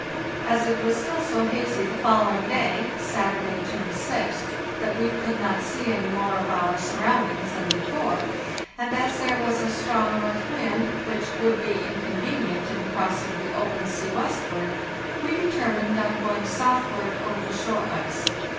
As it was still so hazy the following day (Saturday, June 6th) that we could not see any more of our sur roundings than before, and as there was a strong north wind, which would be inconvenient in crossing the open e southward over sea westward, we determined on goin the shore ice.